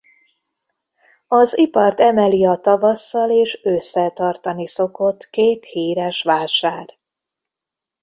Az ipart emeli a tavasszal és ősszel tartani szokott két híres vásár.